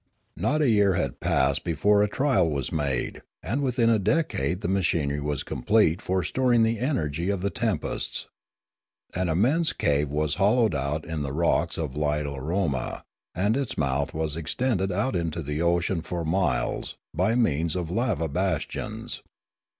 Not a year had passed before a trial was made, and within a decade the machinery was complete for storing the energy of the tempests. An immense cave was hollowed out in the rocks of Lilaroma, and its mouth was extended out into the ocean for miles by means of lava bastions.